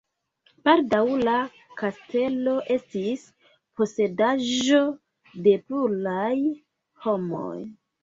Baldaŭ la kastelo estis posedaĵo de pluraj homoj.